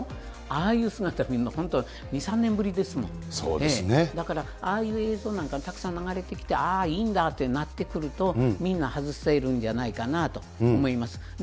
ああいう姿見るの、本当、２、３年ぶりですもんね、ああいう映像なんかたくさん流れてきて、あー、いいんだってなってくると、みんな外せるんじゃないかなと思います。